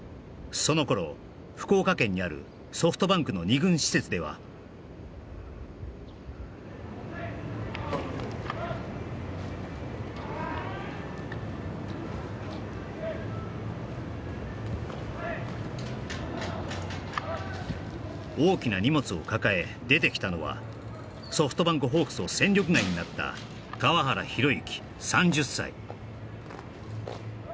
その頃福岡県にあるソフトバンクの２軍施設では大きな荷物を抱え出てきたのはソフトバンクホークスを戦力外になった川原弘之